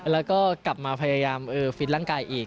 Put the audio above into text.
แล้วก็กลับมาพยายามฟิตร่างกายอีก